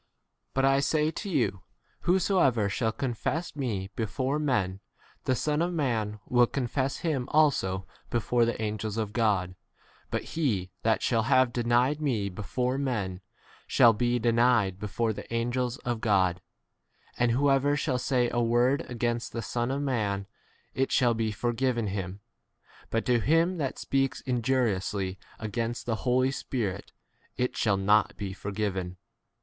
8 But I say to you, Whosoever shall confess me before men, the Son of man will confess him also 9 before the angels of God ; but he that shall have denied me before men shall ^_be denied before the 10 angels of God ; and whoever shall say a word against the Son of man it shall be forgiven him, but to him that speaks injuriously a gainst the Holy Spirit it shall not 11 be forgiven.